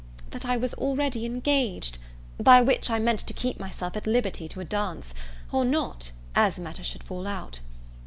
that I was already engaged; by which I meant to keep myself at liberty to a dance, or not, as matters should fall out.